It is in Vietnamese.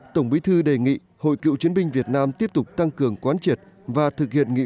tổng bí thư đề nghị hội cựu chiến binh việt nam tiếp tục tăng cường quán triệt và thực hiện nghị